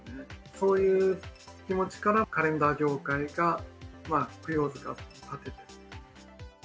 そういう気持ちから、カレンダー業界が供養塚を建ててる。